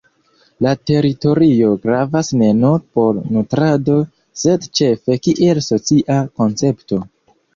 La teritorio gravas ne nur por nutrado sed ĉefe kiel socia koncepto.